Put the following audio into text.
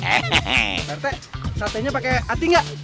pak rt sate nya pakai ati nggak